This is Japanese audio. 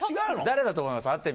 誰だと思いますか？